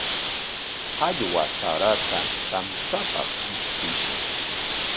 Qallwa sarata kamchapaq ishkushun.